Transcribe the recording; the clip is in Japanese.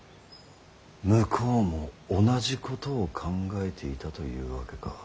向こうも同じことを考えていたというわけか。